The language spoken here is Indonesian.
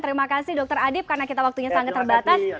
terima kasih dokter adib karena kita waktunya sangat terbatas